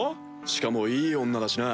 しかもいい女だしな。